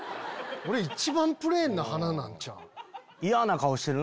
俺一番プレーンな鼻なんちゃう？